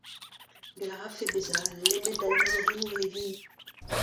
Gell' a rafe bezañ lemmet al lizherennoù re vihan.